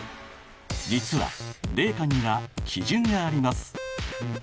実は冷夏には基準があります。